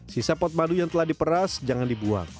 sisa pot madu yang telah diperas jangan dibuang